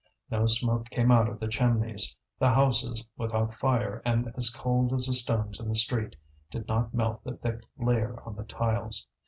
No smoke came out of the chimneys; the houses, without fire and as cold as the stones in the street, did not melt the thick layer on the tiles.